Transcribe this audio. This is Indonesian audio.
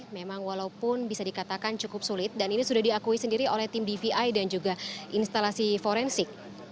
memang walaupun bisa dikatakan cukup sulit dan ini sudah diakui sendiri oleh tim dvi dan juga instalasi forensik